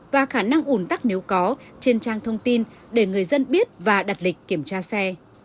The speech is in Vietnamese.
và khả năng ủn tắc nếu có trên trang thông tin để người dân biết và đặt lịch kiểm tra xe